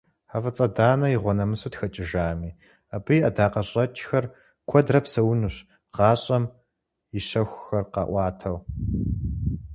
ХьэфӀыцӀэ Данэ игъуэнэмысу тхэкӀыжами, абы и ӀэдакъэщӀэкӀхэр куэдрэ псэунущ гъащӀэм и щэхухэр къаӀуатэу.